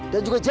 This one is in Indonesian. dan juga jajan